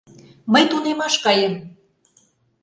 Мый тунемаш каем.